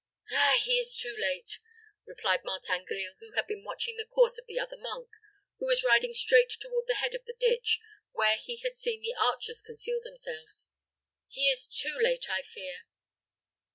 "Ah, he is too late!" replied Martin Grille who had been watching the course of the other monk, who was riding straight toward the head of the ditch, where he had seen the archers conceal themselves. "He is too late, I fear."